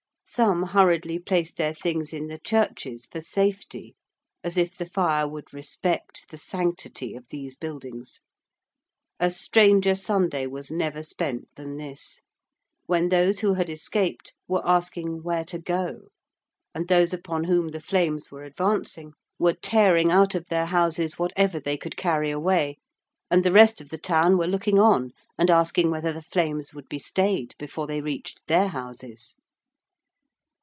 Some hurriedly placed their things in the churches for safety, as if the fire would respect the sanctity of these buildings. A stranger Sunday was never spent than this, when those who had escaped were asking where to go, and those upon whom the flames were advancing were tearing out of their houses whatever they could carry away, and the rest of the town were looking on and asking whether the flames would be stayed before they reached their houses.